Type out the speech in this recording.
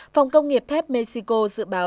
phòng công nghiệp thép mexico dự báo